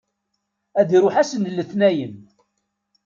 Ad iṛuḥ ass n letnayen.